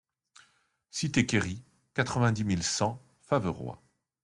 Cité Querry, quatre-vingt-dix mille cent Faverois